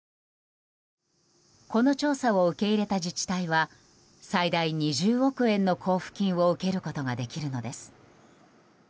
この調査を受け入れた自治体は最大２０億円の交付金を受けることができるのです。